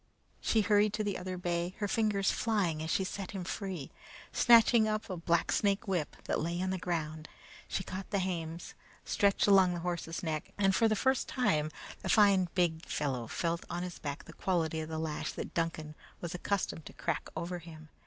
She hurried to the other bay, her fingers flying as she set him free. Snatching up a big blacksnake whip that lay on the ground, she caught the hames, stretched along the horse's neck, and, for the first time, the fine, big fellow felt on his back the quality of the lash that Duncan was accustomed to crack over him.